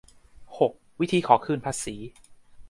หก วิธี ขอคืนภาษี